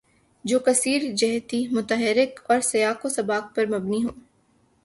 جو کثیر جہتی، متحرک اور سیاق و سباق پر مبنی ہو